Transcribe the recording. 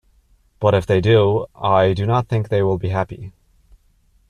But if they do, I do not think they will be happy.